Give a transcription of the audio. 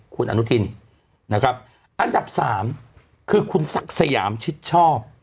คุณอนุทินนะครับอันดับสามคือคุณศักดิ์สยามชิดชอบ